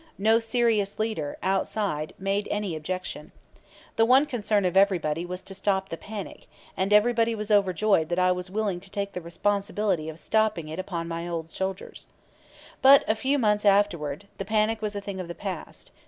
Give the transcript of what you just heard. No serious leader outside made any objection. The one concern of everybody was to stop the panic, and everybody was overjoyed that I was willing to take the responsibility of stopping it upon my own shoulders. But a few months afterward, the panic was a thing of the past.